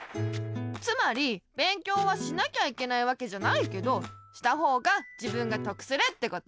つまり勉強はしなきゃいけないわけじゃないけどしたほうが自分がとくするってこと。